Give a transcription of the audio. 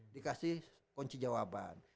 dikasih kunci jawaban